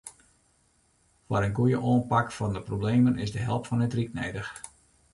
Foar in goeie oanpak fan de problemen is de help fan it ryk nedich.